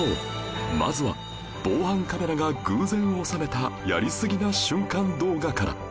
まずは防犯カメラが偶然収めたやりすぎな瞬間動画から